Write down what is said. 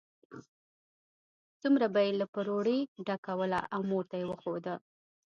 څرمن به یې له پروړې ډکوله او مور ته یې وښوده.